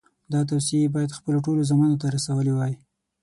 دا توصیې یې باید خپلو ټولو زامنو ته رسولې وای.